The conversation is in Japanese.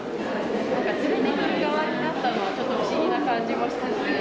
連れてくる側になったのはちょっと不思議な感じもしつつ。